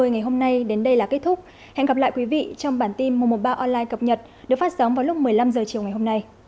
nhiệt độ ngày đêm giao động từ hai mươi bốn ba mươi năm độ